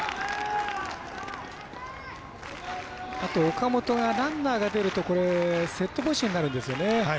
岡本がランナーが出るとセットポジションになるんですよね。